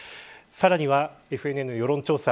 さらにはＦＮＮの世論調査